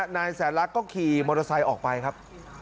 นายแสนลักษณ์ก็ขี่มอเตอร์ไซค์ออกไปครับ